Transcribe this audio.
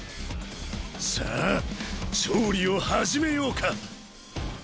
さあ調理を始めようか。